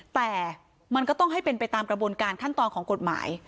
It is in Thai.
แต่มันก็ต้องให้เป็นไปตามกระบวนการขั้นตอนของกฎหมาย